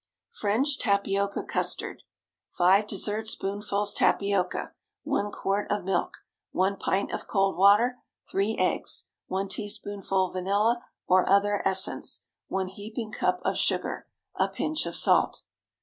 FRENCH TAPIOCA CUSTARD. ✠ 5 dessert spoonfuls tapioca. 1 quart of milk. 1 pint of cold water. 3 eggs. 1 teaspoonful vanilla, or other essence. 1 heaping cup of sugar. A pinch of salt.